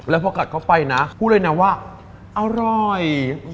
แล้วพอกัดเข้าไปนะพูดเลยนะว่าอร่อย